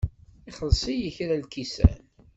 Ixelleṣ-iyi kra n lkisan.